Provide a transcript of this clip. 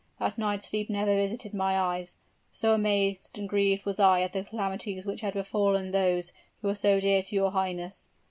That night sleep never visited my eyes so amazed and grieved was I at the calamities which had befallen those who were so dear to your highness.